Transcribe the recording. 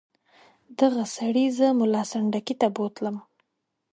دغه سړي زه ملا سنډکي ته بوتلم.